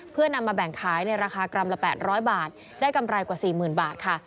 เพื่อนำมาแบ่งขายในราคากรัมละ๘๐๐บาทได้กำไรกว่า๔๐๐๐บาทค่ะ